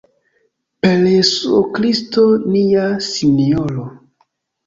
Per Jesuo Kristo nia Sinjoro.